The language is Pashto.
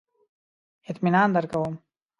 اطمینان درکوم.